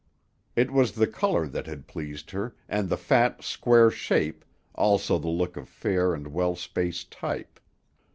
It was the color that had pleased her and the fat, square shape, also the look of fair and well spaced type.